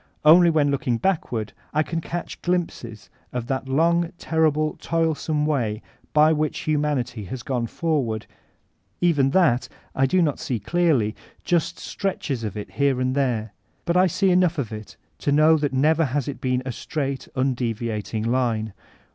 Only when looking backward, I can catch glimpses of that long, terri ble, toilsome way by which humanity has gone forward ; even that I do not see clearly, — just stretches of it here and tfiere. But I see enough of it to know that never has it been a straight, nndeviating line.